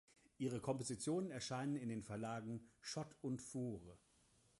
Ihre Kompositionen erscheinen in den Verlagen Schott und Furore.